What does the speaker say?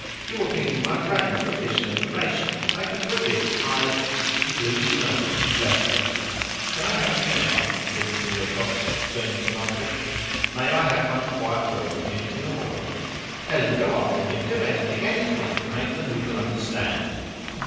"You were picking my brain for official information I can prove it I He blew his nose and left them. "Can I help you now?" said Mr. Wilcox, turning to Margaret. "May I have one quiet word with him in the hall?" "Helen, go after him do anything ANYTHING to make the noodle understand."